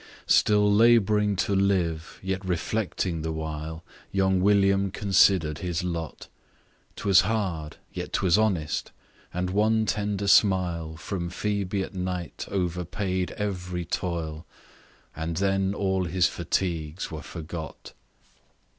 Still labouring to live, yet reflecting the while, Young William consider'd his lot; 'Twas hard, yet 'twas honest; and one tender smile From Phoebe at night overpaid ev'ry toil, And then all his fatigues were forgot.